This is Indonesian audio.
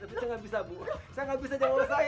itu dia makanya saya eling mas johnny